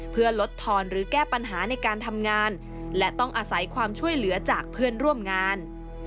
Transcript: เพื่อลดทอนหรือแก้ปัญหาในการทำงานและต้องอาศัยความช่วยเหลือจากเพื่อนร่วมงาน